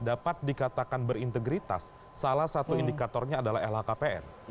dapat dikatakan berintegritas salah satu indikatornya adalah lhkpn